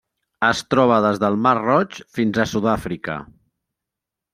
Es troba des del Mar Roig fins a Sud-àfrica.